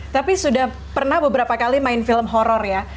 tapi sudah pernah beberapa kali main film horror ya